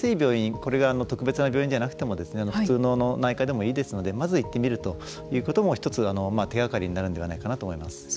これは特別な病院じゃなくても普通の内科でもいいですのでまず、行ってみるということも１つ手がかりになるんではないかなと思います。